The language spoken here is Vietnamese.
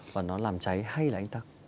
và nó làm cháy hay là anh ta